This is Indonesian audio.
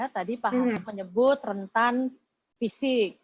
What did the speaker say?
tadi pak hanu menyebut rentan fisik